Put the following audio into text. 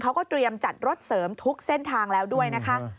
เขาก็เตรียมจัดรถเสริมทุกเส้นทางแล้วด้วยนะคะ